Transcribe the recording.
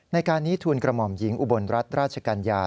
ในการนี้ทุนกระหม่อมหญิงอุบลรัฐราชกัญญา